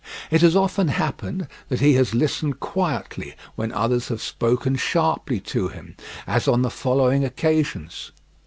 It has often happened that he has listened quietly when others have spoken sharply to him, as on the following occasions.